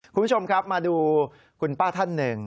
คุณผู้ชมครับมาดูคุณป้าท่านหนึ่ง